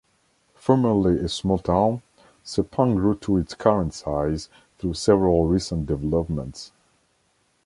Formerly a small town, Sepang grew to its current size through several recent developments.